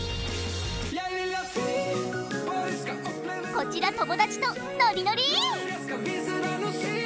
こちら友達とノリノリーッ！